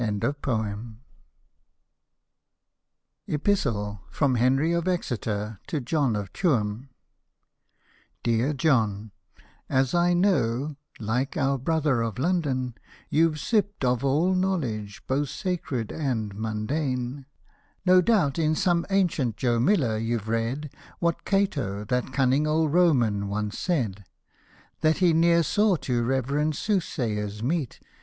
Hosted by Google EPISTLE FROM HENRY TO JOHN 225 EPISTLE FROM HENRY OF EX— T— R TO JOHN OF TUAM Dear John, as I know, like our brother of London, You've sipped of all knowledge, both sacred and mundane, No doubt, in some ancient Joe Miller, you've read What Cato, that cunning old Roman, once said — That he ne'er saw two reverend soothsayers meet.